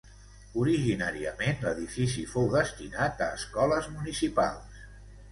Originàriament l'edifici fou destinat a escoles municipals.